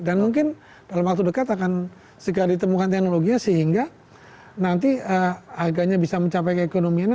dan mungkin dalam waktu dekat akan segera ditemukan teknologinya sehingga nanti harganya bisa mencapai ke ekonominya